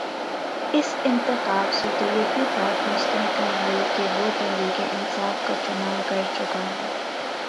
اس انتخاب سے تو یہی بات مستحکم ہوئی کہ وہ تحریک انصاف کا چناؤ کر چکا ہے۔